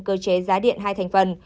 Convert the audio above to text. cơ chế giá điện hai thành phần